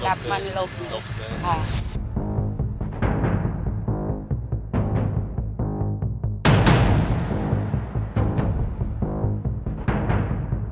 คนอยู่ในวัดเยอะเลยอาจารย์ทำรู้มั้ย